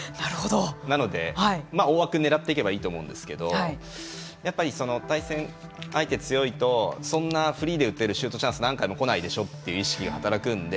なので、大枠を狙っていけばいいと思うんですけどやっぱり対戦相手が強いとそんなフリーで打てるシュートチャンスは何回も来ないでしょうという意識が働くんで。